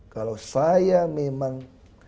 kalau saya memang